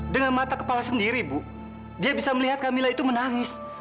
dengan mata kepala sendiri bu dia bisa melihat camilla itu menangis